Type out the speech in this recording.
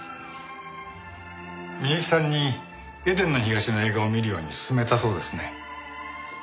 美雪さんに『エデンの東』の映画を見るように薦めたそうですね。